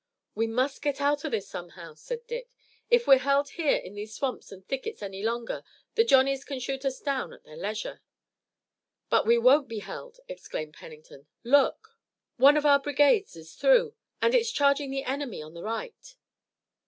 "We must get out of this somehow," said Dick. "If we're held here in these swamps and thickets any longer the Johnnies can shoot us down at their leisure." "But we won't be held!" exclaimed Pennington. "Look! One of our brigades is through, and it's charging the enemy on the right!"